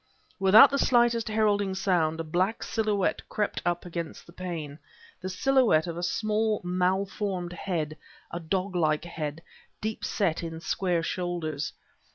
Without the slightest heralding sound a black silhouette crept up against the pane... the silhouette of a small, malformed head, a dog like head, deep set in square shoulders.